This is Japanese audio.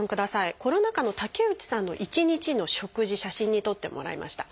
コロナ禍の竹内さんの一日の食事写真に撮ってもらいました。